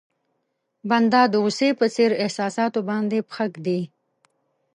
بنده د غوسې په څېر احساساتو باندې پښه کېږدي.